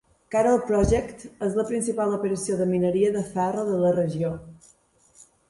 Carol Project és la principal operació de mineria de ferro de la regió.